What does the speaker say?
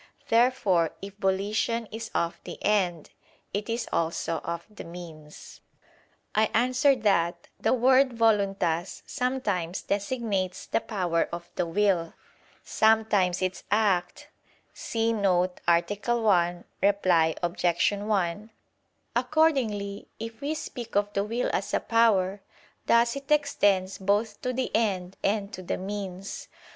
Therefore, if volition is of the end, it is also of the means. I answer that, The word "voluntas" sometimes designates the power of the will, sometimes its act [*See note to A. 1, Reply Obj. 1]. Accordingly, if we speak of the will as a power, thus it extends both to the end and to the means.